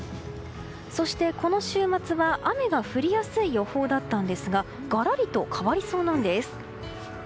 そしてこの週末は、雨が降りやすい予報だったんですががらりと変わりそうなんです。